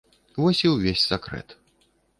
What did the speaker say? Вось і ўвесь сакрэт.